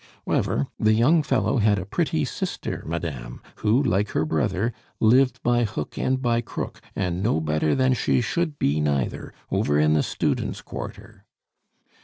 'Wever, the young fellow had a pretty sister, madame, who, like her brother, lived by hook and by crook, and no better than she should be neither, over in the students' quarter."